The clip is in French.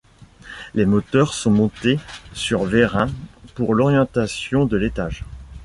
Les moteurs sont montés sur vérin pour l'orientation de l'étage.